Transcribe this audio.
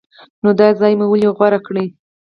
نو دا ځای مو ولې غوره کړ؟